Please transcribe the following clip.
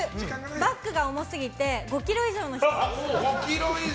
バッグが重すぎて５ｋｇ以上の人！